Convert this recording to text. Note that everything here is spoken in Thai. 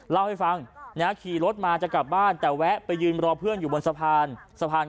เล่าให้ฟังนะขี่รถมาจะกลับบ้านแต่แวะไปยืนรอเพื่อนอยู่บนสะพาน